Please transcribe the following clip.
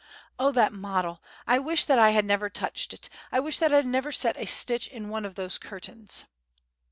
Oh, that model, I wish that I never had touched it—I wish that I had never set a stitch in one of those curtains!"